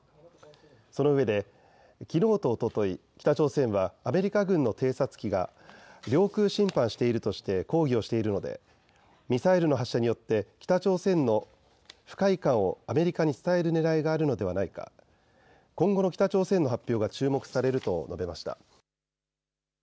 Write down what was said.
そのうえできのうとおととい、北朝鮮はアメリカ軍の偵察機が領空侵犯しているとして抗議をしているのでミサイルの発射によって北朝鮮の不快感をアメリカに伝えるねらいがあるのではないか、今後の北朝鮮の発表が注目されると述べました。